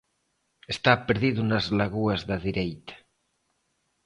Está perdido nas lagoas da dereita.